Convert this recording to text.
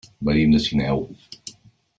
Venim de Sineu.